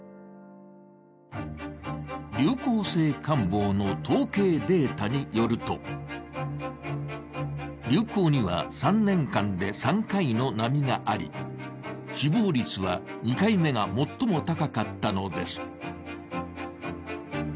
「流行性感冒」の統計データによると流行には３年間で３回の波があり、死亡率は２回目が最も高かったのです。